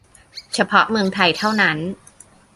เฉพาะเมืองไทยเท่านั้น !